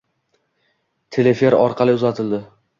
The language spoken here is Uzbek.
teleefir orqali uzatildi.